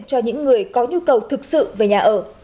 cho những người có nhu cầu thực sự về nhà ở